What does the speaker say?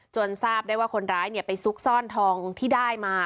ทราบได้ว่าคนร้ายไปซุกซ่อนทองที่ได้มา